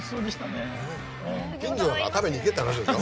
ねっ近所だから食べに行けって話でしょ。